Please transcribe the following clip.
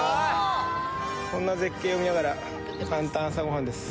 こんな絶景を見ながら簡単朝ご飯です